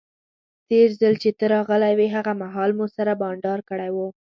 تیر ځل چې ته راغلی وې هغه مهال مو سره بانډار کړی وو.